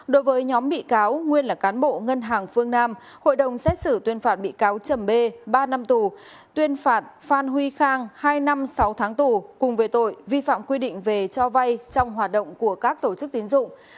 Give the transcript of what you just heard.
đối với nhóm bị cáo nguyên là cán bộ ngân hàng phương nam hội đồng xét xử tuyên phạt bị cáo chầm bê ba năm tù tuyên phạt phan huy khang hai năm sáu tháng tù cùng về tội vi phạm quy định về cho vay trong hoạt động của các tổ chức tín dụng